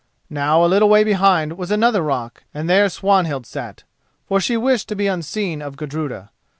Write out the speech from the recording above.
Now, a little way behind was another rock and there Swanhild sat, for she wished to be unseen of Gudruda.